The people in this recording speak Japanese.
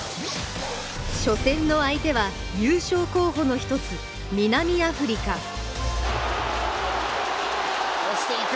初戦の相手は優勝候補の一つ南アフリカ押していく！